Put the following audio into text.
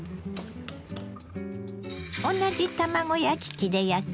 同じ卵焼き器で焼きます。